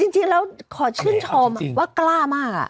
จริงแล้วขอชื่นชมว่ากล้ามาก